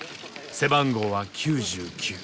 背番号は９９。